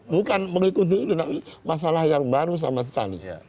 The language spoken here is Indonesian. bukan mengikuti ini tapi masalah yang baru sama sekali